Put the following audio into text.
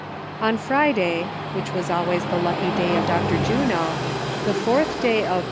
[N Friday (which was always the lucky day of Dr. Juno), the fourth day of